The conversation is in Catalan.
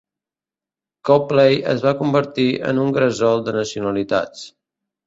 Coplay es va convertir en un gresol de nacionalitats.